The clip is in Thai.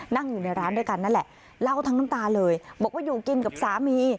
นั่งอยู่ในร้านด้วยกันนั่นแหละเล่าทั้งน้ำตาเลยบอกว่าอยู่กินกับสามี